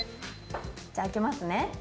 じゃあ開けますね。